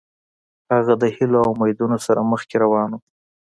هغه د هیلو او امیدونو سره مخکې روان و.